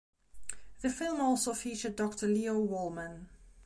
The film also featured Doctor Leo Wollman.